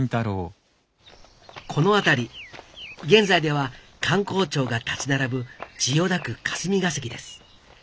この辺り現在では官公庁が立ち並ぶ千代田区霞が関です。